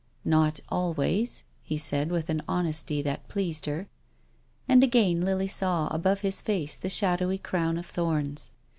" Not always," he said, with an honesty that pleased her. And again Lily saw above his face the shadowy crown of thorns.